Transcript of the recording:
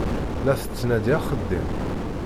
La tettnadi axeddim.